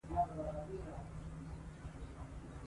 ماشوم باید د خپل ځای پر اهمیت پوه شي.